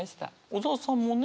小沢さんもね。